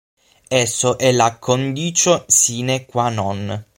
Esso è la "condicio sine qua non".